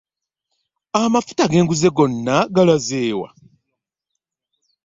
Amafuta genguze gonna galazeewa?